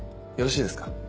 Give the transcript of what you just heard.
よろしいですか？